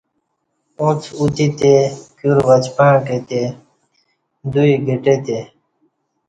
اُݩڅ اوتی تے کیور وچپعݩع کہتے، دوئ گھٹہ تے